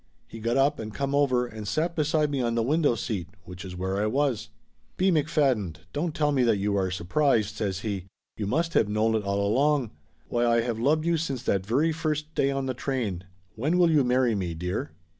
He got up and come over and sat beside me on the window seat, which is where I was. "B. McFadden, don't tell me that you are surprised," says he. "You must have known it all along. Why, I 330 Laughter Limited have loved you since that very first day on the train. When will you marry me, dear?"